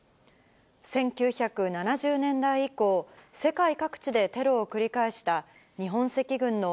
１９７０年代以降、世界各地でテロを繰り返した日本赤軍の